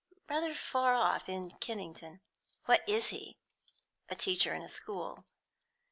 "Rather far off; in Kennington." "What is he?" "A teacher in a school.